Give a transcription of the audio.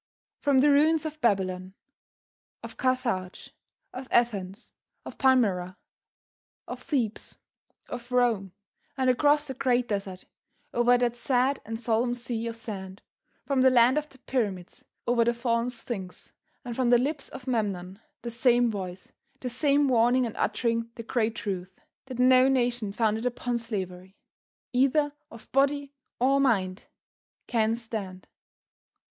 From the ruins of Babylon, of Carthage, of Athens, of Palmyra, of Thebes, of Rome, and across the great desert, over that sad and solemn sea of sand, from the land of the pyramids, over the fallen Sphinx and from the lips of Memnon the same voice, the same warning and uttering the great truth, that no nation founded upon slavery, either of body or mind, can stand.